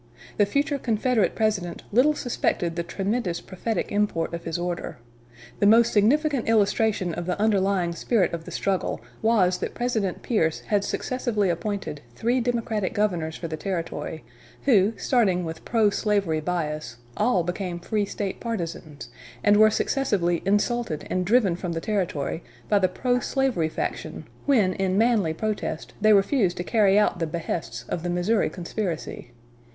The future Confederate President little suspected the tremendous prophetic import of his order. The most significant illustration of the underlying spirit of the struggle was that President Pierce had successively appointed three Democratic governors for the Territory, who, starting with pro slavery bias, all became free State partizans, and were successively insulted and driven from the Territory by the pro slavery faction when in manly protest they refused to carry out the behests of the Missouri conspiracy.